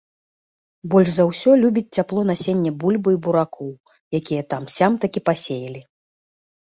Больш за ўсё любіць цяпло насенне бульбы і буракоў, якія там-сям такі пасеялі.